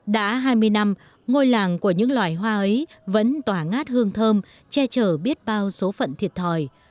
đã hai mươi năm ngôi làng của những loài hoa ấy vẫn tỏa ngát hương thơm che chở biết bao số phận thiệt thòi